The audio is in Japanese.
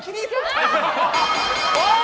おい！